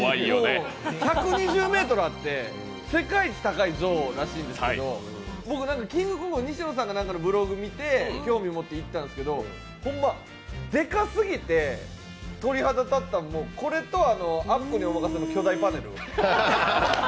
１２０ｍあって世界一高い像らしいんですけど、キングコング西野さんのブログを見て興味持って行ったんですけどでかすぎて鳥肌立ったのは、これと「アッコにおまかせ！」の巨大パネル。